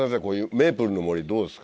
メープルの森どうですか？